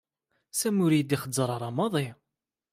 Sami ur y-id-i xeẓẓer ara maḍi.